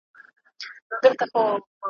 هغه خوب مي ریشتیا کیږي چي تعبیر مي اورېدلی `